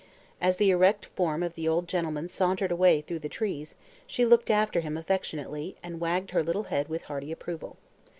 As the erect form of the old gentleman sauntered away through the trees she looked after him affectionately and wagged her little head with hearty approval.